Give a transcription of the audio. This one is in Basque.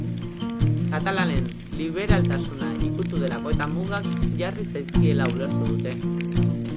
Katalanen liberaltasuna ikutu delako eta mugak jarri zaizkiela ulertu dute.